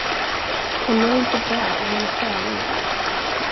Hon mår inte bra och hon är farlig.